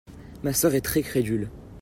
Ma sœur est très crédule.